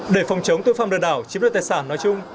để phòng chống tội phạm lừa đảo chiếm đoạt tài sản nói chung